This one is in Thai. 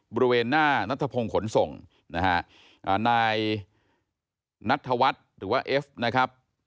บริเวณหน้านัทพงศ์ขนส่งนะฮะนายนัทธวัฒน์หรือว่าเอฟนะครับ